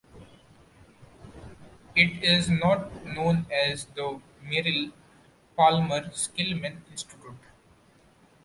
It is now known as the Merrill-Palmer Skillman Institute.